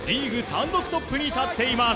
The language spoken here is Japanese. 単独トップに立っています。